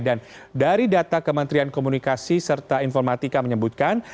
dan dari data kementerian komunikasi serta informatika menyebutkan